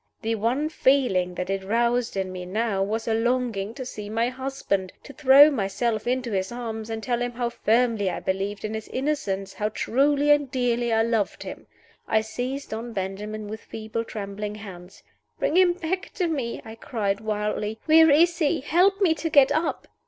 The one feeling that it roused in me now was a longing to see my husband to throw myself into his arms, and tell him how firmly I believed in his innocence, how truly and dearly I loved him. I seized on Benjamin with feeble, trembling hands. "Bring him back to me!" I cried, wildly. "Where is he? Help me to get up!"